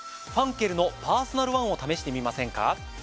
ファンケルのパーソナルワンを試してみませんか？